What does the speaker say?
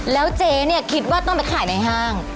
แล้วเจ๊เนี่ยคิดว่าต้องไปขายในห้าง